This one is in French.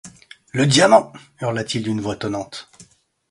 Le diamant !… hurla-t-il d’une voix tonnante.